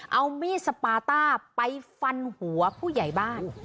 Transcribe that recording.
เอามีดสปาต้าไปฟันหัวผู้ใหญ่บ้าน